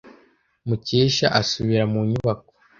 Mukesha asubira mu nyubako.